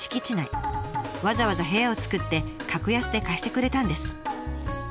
わざわざ部屋を作って格安で貸してくれたんです。